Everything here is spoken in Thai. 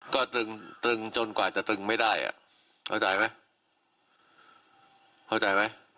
ก็ตึงตึงจนกว่าจะตึงไม่ได้อ่ะเข้าใจไหมเข้าใจไหม